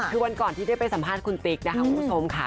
คือวันก่อนที่ได้ไปสัมภาษณ์คุณติ๊กนะคะคุณผู้ชมค่ะ